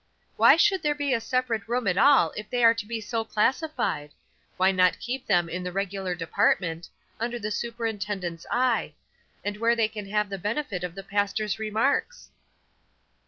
"Why should there be a separate room at all if they are to be so classified? Why not keep them in the regular department, under the superintendent's eye, and where they can have the benefit of the pastor's remarks?"